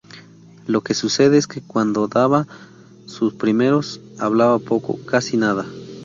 Lo que sucede es que cuando daba sus primeros, hablaba poco, casi nada.